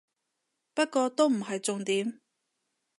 不過都唔係重點